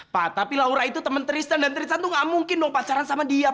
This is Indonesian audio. pak tapi laura itu teman tristan dan tristan itu gak mungkin dong pacaran sama dia